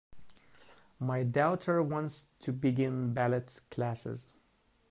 My daughter wants to begin ballet classes.